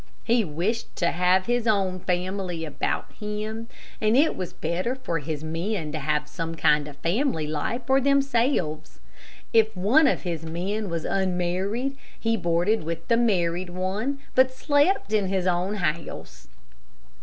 He wished to have his own family about him, and it was better for his men to have some kind of family life for themselves. If one of his men was unmarried, he boarded with the married one, but slept in his own house.